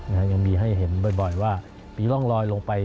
ยังมีให้เห็นบ่อยว่ามีร่องลอยลงไป